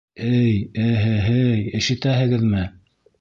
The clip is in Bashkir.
Эй, эһе-һей, ишетәһегеҙме?